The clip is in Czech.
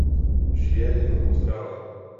Žije jen v Austrálii.